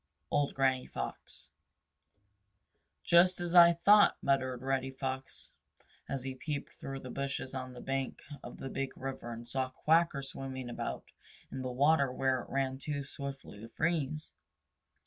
—Old Granny Fox. "Just as I thought," muttered Reddy Fox as he peeped through the bushes on the bank of the Big River and saw Quacker swimming about in the water where it ran too swiftly to freeze.